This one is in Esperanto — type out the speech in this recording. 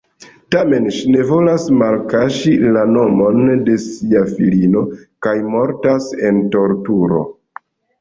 Tamen ŝi ne volas malkaŝi la nomon de sia filino kaj mortas en torturo.